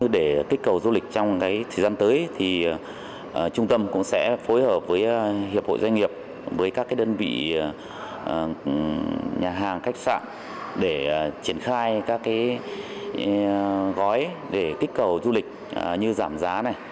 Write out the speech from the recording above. để kích cầu du lịch trong thời gian tới trung tâm cũng sẽ phối hợp với hiệp hội doanh nghiệp với các đơn vị nhà hàng khách sạn để triển khai các gói để kích cầu du lịch như giảm giá này